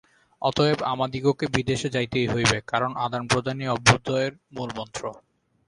অতএব আমাদিগকে বিদেশে যাইতেই হইবে, কারণ আদান-প্রদানই অভ্যুদয়ের মূলমন্ত্র।